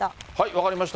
分かりました。